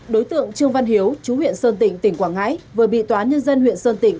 đối tượng trương văn hiếu chú huyện sơn tỉnh tỉnh quảng ngãi vừa bị tòa nhân dân huyện sơn tịnh